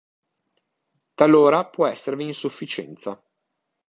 Talora può esservi insufficienza.